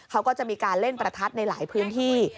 เขาก็จะมีการเล่นประทัดในหลายพื้นที่